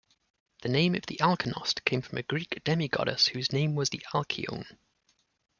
The name of the alkonost came from a Greek demigoddess whose name was Alcyone.